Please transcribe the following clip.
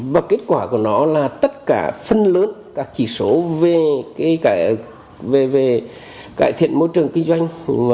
và kết quả của nó là tất cả phân lớn các chỉ số về cải thiện môi trường kinh doanh